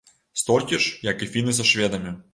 Столькі ж, як і фіны са шведамі.